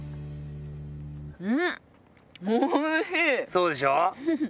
そうでしょ？